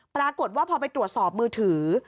ปรากฏว่าพอไปตรวจสอบมือถือ